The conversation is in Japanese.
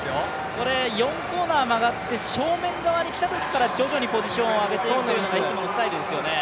これは４コーナー曲がって正面側に来たときから徐々にペースを上げるのがいつものスタイルですよね。